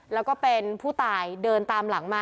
แล้วก็เป็นผู้ตายเดินตามหลังมา